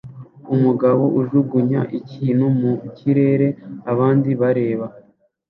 Umugabo ajugunya ikintu mu kirere abandi bareba